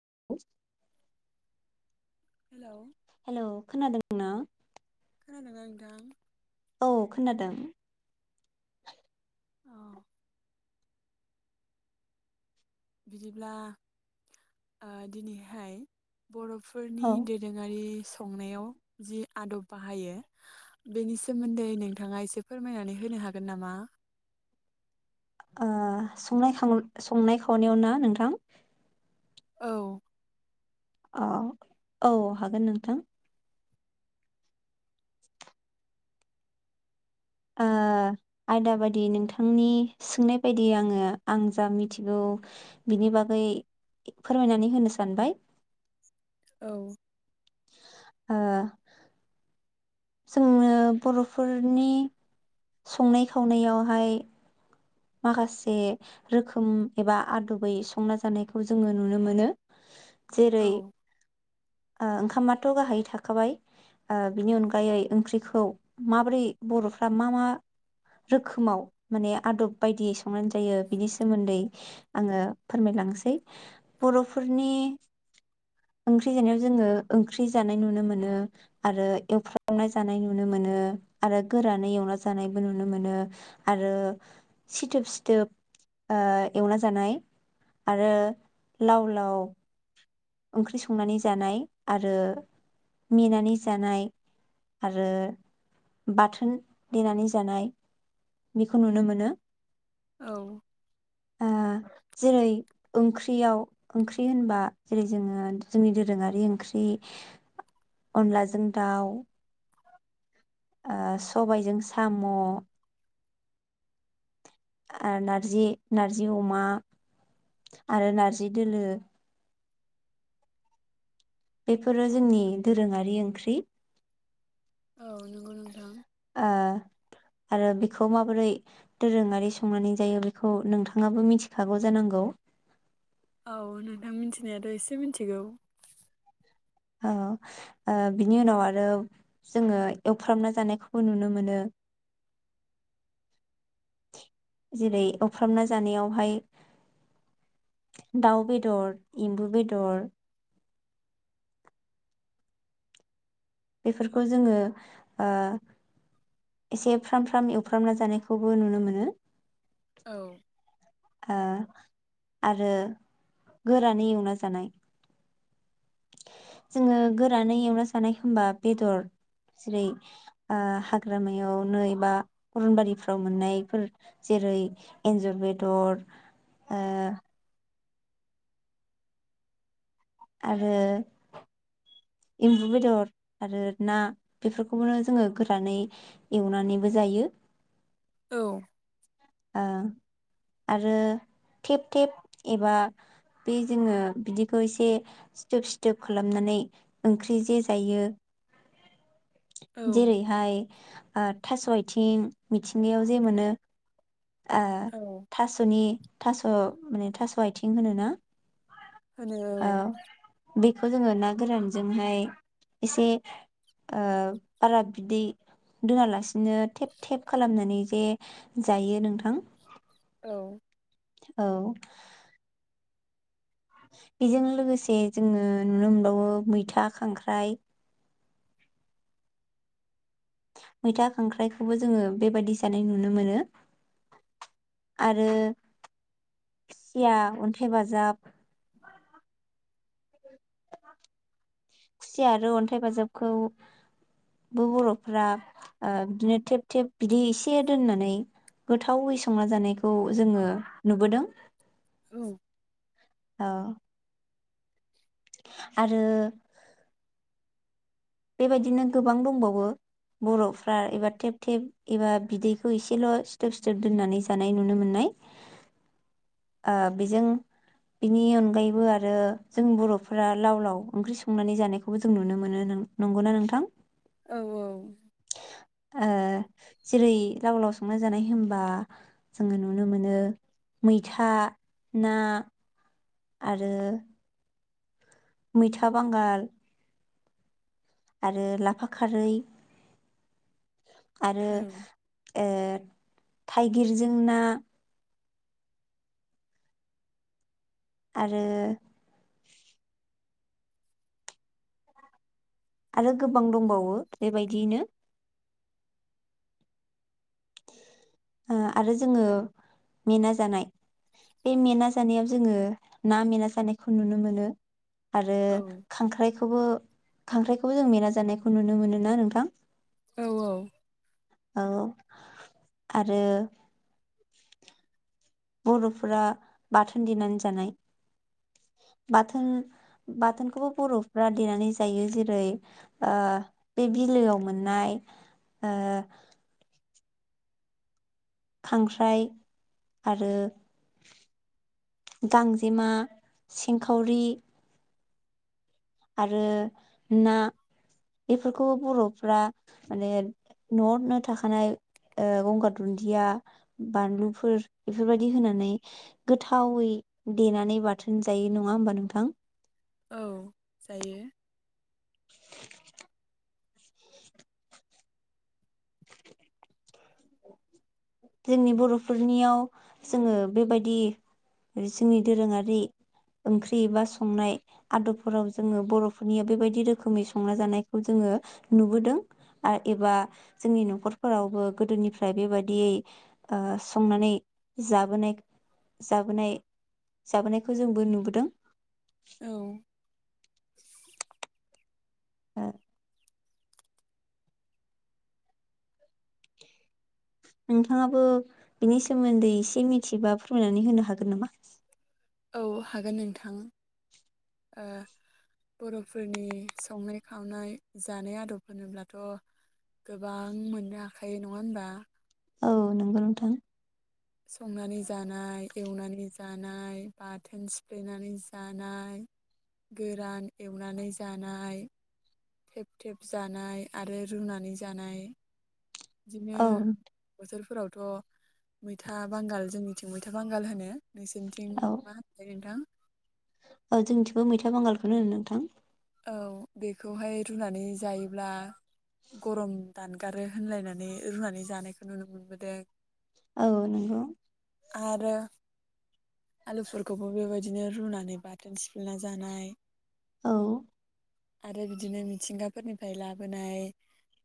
[inaudible] हेल' हेल' खोनादोंना? खोनादोंना नोंथां? औ खोनादों। औ बिदिब्ला ओ दिनैहाय बर'फोरनि औ दोरोङारि संनायाव जि आदब बाहायो बेनि सोमोन्दै नोंथाङा एसे फोरमायनानै होनो हागोन नामा? ओ संनाय संनाय खावनायाव ना नोंथां? औ औ औ हागोन नोंथां। ओ आयदा बायदि नोंथांनि सोंनाय बायदि आङो आं जा मिथिगौ बिनि बागै फोरमायनानै होनो सानबाय। औ ओ जोंनो बर'फोरनि संनाय खावनायावहाय माखासे रोखोम एबा आदबै संना जानायखौ जोङो नुनो मोनो। जेरै औ ओंखामाथ' गाहायै थाखाबाय। बिनि अनगायै ओंख्रिखौ माबोरै बर'फ्रा मा मा रोखोमाव माने आदब बायदियै संनानै जायो बिनि सोमोन्दै आङो फोरमायलांसै बर'फोरनि नि ओंख्रि जानायाव जोङो ओंख्रि जानाय नुनो मोनो आरो एवफ्रावनाय जानाय नुनो मोनो। मोनो आरो गोरानै एवना जानायबो नुनो मोनो आरो सिथोब सिथोब एवना जानाय आरो लाव लाव ओंख्रि संनानै जानाय आरो मिनानै जानाय आरो बाथोन देनानै जानाय बेखौ नुनो मोनो। औ। ओ जेरै ओंख्रियाव ओंख्रि होनबा जेरै जोङो जोंनि दोरोङारि ओंख्रि अनलाजों दाउ ओ सबायजों साम' आरो नारजि नारजि अमा आरो नारजि दोलो बेफोरो जोंनि दोरोङारि ओंख्रि औ नंगौ नोंथां ओ आरो बेखौ माबोरै दोरोङारि संनानै जायो बेखौ नोंथाङाबो मिथिखागौ जानांगौ। नंगौ। औ नोंथां मिथिनायाथ' एसे मिथिगौ औ बिनि उनाव आरो जोङो एवफ्रामना जानायखौबो नुनो मोनो। [inaudible] जेरै एवफ्रामना जानायावहाय दाउ बेदर एमबु बेदर बेफोरखौ जोङो एसे फ्राम फ्राम एवफ्रामना जानायखौबो नुनो मोनो। औ। आरो गोरानै एवना जानाय जोङो गोरानै एवना जानाय होनबा बेदर जेरै हाग्रामायाव नै बा अरनबारिफ्राव मोननायफोर जे जेरै एन्जर बेदर ओ आरो एम्बु बेदर आरो ना बेफोरखौबोनो जोङो गोरानै एवनानैबो जायो। [inaudible] औ। आरो थेब थेब एबा बे जोङो बिदिखौ एसे सिथोब सिथोब खालामनानै ओंख्रि जे जायो। औ जेरैहाय थास' आथिं मिथिंगायाव जे मोनो ओ औ थास'नि थास' माने थास' आथिं होनो ना। होनो औ। बेखौ जोङो ना गोरानजोंहाय एसे ओ बारा बिदै दोनालासिनो थेब थेब खालामनानै जे जायो हायो नोंथां। औ। औ। बेजों लोगोसे जोङो नुनो मोनबावो मैथा खांख्राइ। मैथा खांख्राइखौबो जोङो बेबायदि जानाय नुनो मोनो। आरो खुसिया अन्थाय बाजाब। खुसियाआरो अन्थाइ बाजाबखौ ब-बर'फ्रा बिदिनो थेब थेब बिदै एसे दोननानै गोथावै संना जानायखौ जोङो नुबोदों। [inaudible] औ। आरो बेबायदिनो गोबां दंबावो। बर'फ्रा एबा थेब थेब एबा बिदैखौ एसेल' सिथोब सिथोब दोननानै जानाय नुनो मोन्नाय जायो। ओ बेजों बिनि अनगायैबो आरो जों बर' फोरा लाव लाव ओंख्रि संनानै जानायखौबो जों नुनो मोनो नों नंगौना नोंथां? औ औ। ओ जेरै लाव लाव संना जानाय होनबा जोङो नुनो मोनो मैथा ना आरो मैथा बांगाल आरो लाफा खारै आरो औ ए थाइगिर जों ना आरो आरो गोबां दंबावो बेबायदि यैनो ओ आरो जोङो मेना जानाय बे मेना जानायाव जोङो ना मेना जानायखौ नुनो मोनो। आरो खांख्राइ खौबो खांख्राइ खौबो जों मेना जानायखौ नुनो मोनो ना नोंथां? औ औ। औ आरो बर'फोरा बाथोन दिनानै जानाय। बाथोन बाथोन खौबो बर'फ्रा देनानै जायो जेरै ओ बे बिलो आव मोननाय ओ खांख्राइ आरो गांजेमा सिं खावरि आरो ना बेफोरखौ बर'फ्रा माने न'आवनो थाखानाय गंगार दुन्दिया, बानलु फोर बेफोर बायदि होनानै गोथावै देनानै बाथोन जायो नङा होमबा नोंथां? औ जायो। [inaudible] जोंनि बर'फोर नियाव जोङो बेबायदि जोंनि दोरोङारि ओंख्रि एबा संनाय आदब फोराव जोङो बर' फोरनिया बेबायदि रोखोमै संना जानायखौ जोङो नुबोदों आरो एबा जोंनि न'खर फोरावबो गोदो निफ्राय बेबायदि ओ संनानै जाबोनाय जाबोनाय जाबोनायखौ जोंबो नुबोदों। औ। ओ। नोंथाङाबो बिनि सोमोन्दै एसे मिथिबा फोरमायनानै होनो हागोन नामा? औ हागोन नोंथां। ओ बर' फोरनि संनाय खावनाय जानाय आदब होनोब्लाथ गोबां मोननो हाखायो नङा होनबा? औ नंगौ नोंथां। संनानै जानाय एवनानै जानाय बाथोन सिफ्ले नानै जानाय गोरान एवनानै जानाय थेब थेब जानाय आरो रुनानै जानाय बिदिनो औ बोथोर फोरावथ मैथा बांगाल जोंनिथिं मैथा बांगाल होनो नोंसोर निथिं मा होनोथाय नोंथां? ओ जोंनि थिंबो मैथा बांगाल खौनो होनो नोंथां। औ बेखौ हाय रुनानै जायोब्ला गरम दान गारो होनलायनानै रुनानै जानायखौ नुनो मोनबोदों। औ नंगौ। आरो आलु फोरखौबो बेबायदि बिदिनो रुनानै बाथोन सिफ्लेना जानाय औ। आरो बिदिनो मिथिंगाफोरनिफ्राय लाबोनाय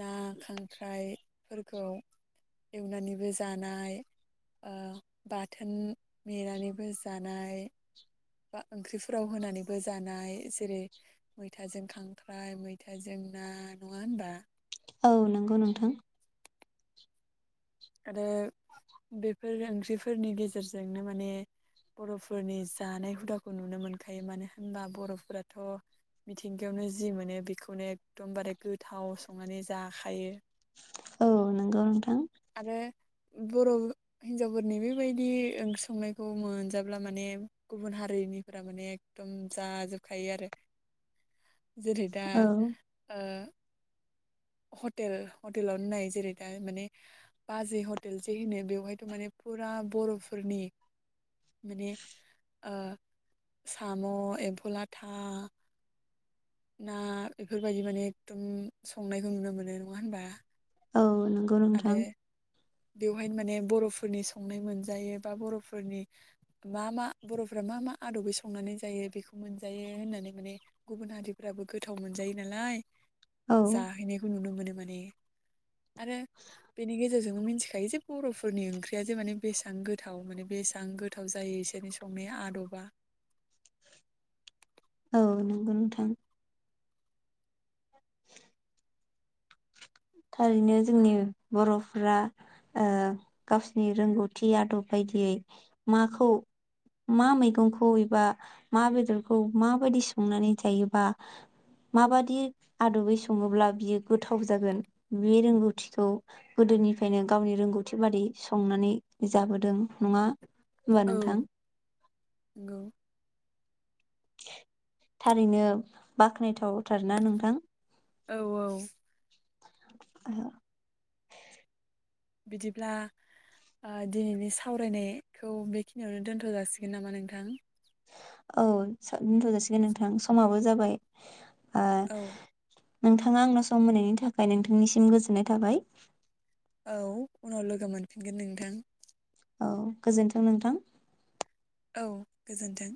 ना खांख्राइफोरखौ एवनानैबो जानाय ओ बाथोन मेनानैबो जानाय बा ओंख्रिफोराव होनानैबो जानाय जेरै मैथाजों खांख्राइ मैथाजों ना नङा होनबा? औ नंगौ नोंथां। आरो बेफोर ओंख्रिफोरनि गेजेरजोंनो माने बर'फोरनि जानाय हुदाखौ नुनो मोनखायो मानो होनबा बर'फोराथ' मिथिंगायावनो जि मोनो बेखौनो एकदमबारे गोथाव संनानै जाखायो। औ नोंगौ नोंथां। आरो बर'हिनजावफोरनि बेबायदि ओंख्रि संनायखौ मोनजाब्ला माने गुबुन हारिनिफोरा माने एकदम जाजोबखायो आरो। [inaudible] जेरै दा औ ओ हटेल हटेलावनो नाय जेरै दा माने बाजै हटेल जे होनो बेवहाय र' माने फुरा बर'फोरनि माने ओ साम, ' एम्फौ लाथा, ना बेफोरबायदि माने एकदम संनायखौ नुनो मोनो। नङा होनबा? औ नंगौ आरो नोंथां। बेवहायनो माने बर'फोरनि संनाय मोनजायो बा बर'फोरनि मा मा बर'फोरा मा मा आदबै संनानै जायो बेखौ मोनजायो होननानै माने गुबुन हारिफ्राबो गोथाव मोनजायो नालाय लाय औ जाहैनायखौ नुनो मोनो माने आरो बेनि गे मिथिखायो जे बर'फोरनि ओंख्रिया जे माने बेसेबां गोथाव माने बेसेबां गोथाव जायो एसोरनि संनाया आदबा। [inaudible] औ नंगौ नोंथां। थारैनो जोंनि बर'फ्रा ओ गावसिनि रोंगौथि आदब बाय दियै माखौ मा मैगंखौ एबा मा बेदरखौ माबायदि संनानै जायोबा माबादि आदबै सङोब्ला बियो गोथाव जागोन बे रोंगौथिखौ गोदोनिफ्रायनो गावनि रोंगौथि बादि संनानै जाबोदों। नङा होनबा औ नोंथां? नंगौ। थारैनो बाख्नायथावथार ना नोंथां? औ औ। [inaudible] बिदिब्ला ओ दिनैनि सावरायनायखौ बेखिनियावनो दोनथ' जासिगोन नामा नोंथां? औ दोनथ' जाासिगोन नोंथां समाबो जाबाय ओ औ नोंथाङा आंनो सम होनायनि थाखाय नोंथांनिसिम गोजोननाय थाबाय। औ उनाव लोगो मोनफिनगोन नोंथां। औ गोजोन्थों नोंथां। औ गोजोन्थों।